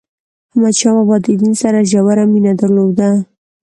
احمد شاه بابا د دین سره ژوره مینه درلوده.